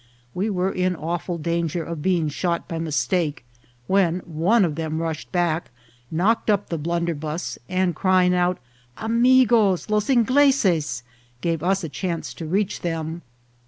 We Avere in awful danger of being shot by mistake, when one of them rushed back, knocked up the blunderbuss, and crying out " amigos, los Ingleses !" gave us a chance to reach them.